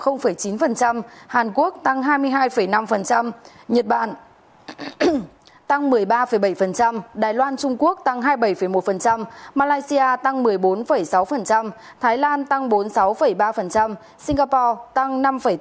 nhật bản tăng một mươi ba bảy đài loan trung quốc tăng hai mươi bảy một malaysia tăng một mươi bốn sáu thái lan tăng bốn mươi sáu ba singapore tăng năm bốn